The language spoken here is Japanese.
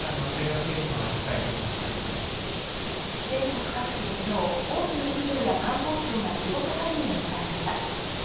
全国各地で今日、多くの企業や官公庁が仕事始めを迎えました。